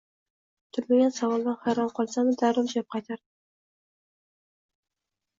Kutilmagan savoldan hayron qolsam-da, darrov javob qaytardim